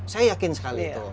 saya yakin sekali tuh